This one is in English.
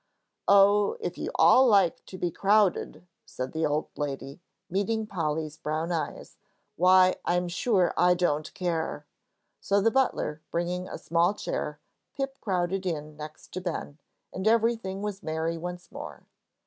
"Oh, if you all like to be crowded," said the old lady, meeting Polly's brown eyes, "why, I am sure I don't care." So, the butler bringing a small chair, Pip crowded in next to Ben, and everything was merry once more.